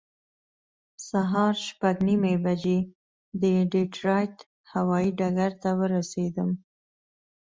سهار شپږ نیمې بجې د ډیټرایټ هوایي ډګر ته ورسېدم.